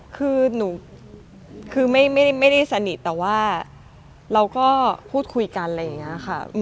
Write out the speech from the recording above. คือหนูคือไม่ได้สนิทแต่ว่าเราก็พูดคุยกันอะไรอย่างนี้ค่ะ